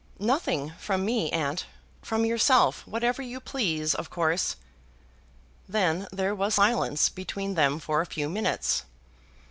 "Nothing from me, aunt; from yourself, whatever you please, of course." Then there was silence between them for a few minutes.